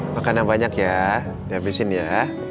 makan yang banyak ya dihabisin ya